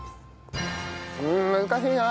ん難しいな。